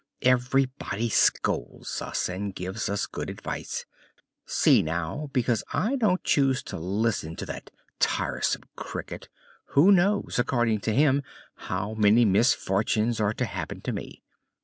Everybody scolds us and gives us good advice. See now; because I don't choose to listen to that tiresome Cricket, who knows, according to him, how many misfortunes are to happen to me!